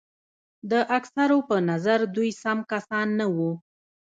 د اکثرو په نظر دوی سم کسان نه وو.